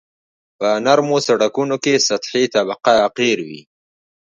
په نرمو سرکونو کې سطحي طبقه قیر وي